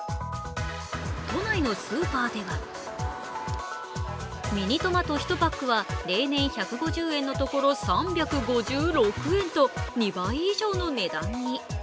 都内のスーパーではミニトマト１パックは例年１５０円のところ３５６円と２倍以上の値段に。